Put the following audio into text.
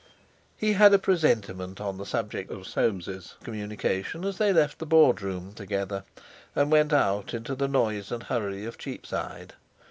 He had a presentiment on the subject of Soames's communication as they left the Board Room together, and went out into the noise and hurry of Cheapside.